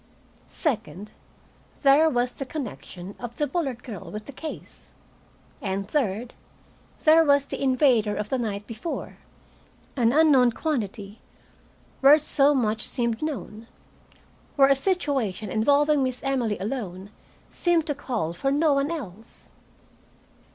Second, there was the connection of the Bullard girl with the case. And third, there was the invader of the night before, an unknown quantity where so much seemed known, where a situation involving Miss Emily alone seemed to call for no one else.